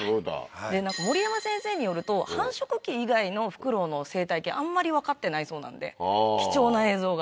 守山先生によると繁殖期以外のフクロウの生態系あんまり分かってないそうなんで貴重な映像が。